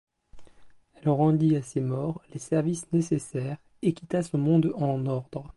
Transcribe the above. Elle rendit à ses morts les services nécessaires, et quitta son monde en ordre.